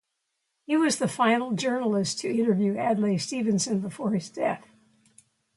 He was the final journalist to interview Adlai Stevenson before his death.